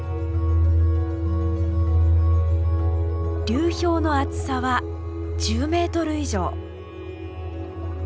流氷の厚さは１０メートル以上。